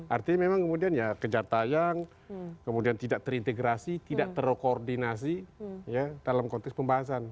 artinya memang kemudian ya kejar tayang kemudian tidak terintegrasi tidak terkoordinasi dalam konteks pembahasan